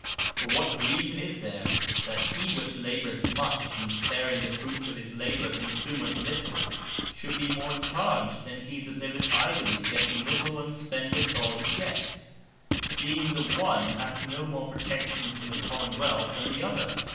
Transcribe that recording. For what reason is there, that he which laboureth much, and sparing the fruits of his labour, consumeth little, should be more charged, then he that living idlely, getteth little, and spendeth all he gets; seeing the one hath no more protection from the Common wealth, then the other?